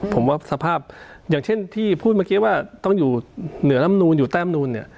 ผมว่าสภาพอย่างเช่นที่พูดเมื่อกี้ว่าต้องอยู่เหนือลำนูนอยู่แต้มนูนเนี่ย